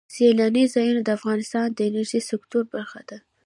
سیلاني ځایونه د افغانستان د انرژۍ سکتور برخه ده.